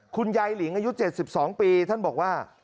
คุณใยหลิงอายุเจ็ดสิบสองปีท่านบอกว่า